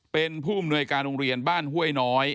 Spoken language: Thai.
เป็นผู้อำนวยการโรงเรียนบ้านห้วยน้อย